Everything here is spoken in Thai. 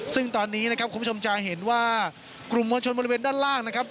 ซึ่งตอนนี้นะครับคุณผู้ชมจะเห็นว่ากลุ่มมวลชนบริเวณด้านล่างนะครับ